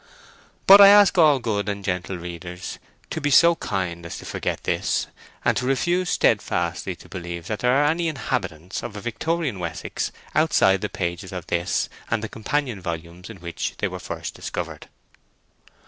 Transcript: But I ask all good and gentle readers to be so kind as to forget this, and to refuse steadfastly to believe that there are any inhabitants of a Victorian Wessex outside the pages of this and the companion volumes in which they were first discovered.